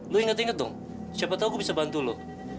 lo inget inget dong siapa tahu gue bisa bantu lo